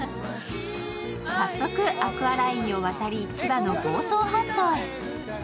早速アクアラインを渡り、千葉の房総半島へ。